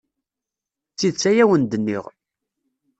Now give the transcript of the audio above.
D tidet ay awen-d-nniɣ.